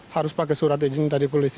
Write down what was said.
harus pakai surat izin dari polisi